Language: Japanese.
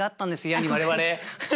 「や」に我々。